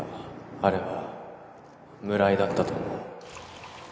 あれは村井だったと思う